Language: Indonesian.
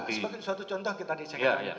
sebagai suatu contoh kita dicek